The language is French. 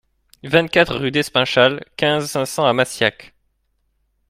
vingt-quatre rue d'Espinchal, quinze, cinq cents à Massiac